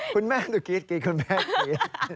คุณแม่ต้องกินกินคุณแม่กิน